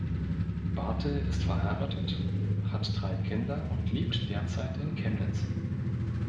Bartl ist verheiratet, hat drei Kinder und lebt derzeit in Chemnitz.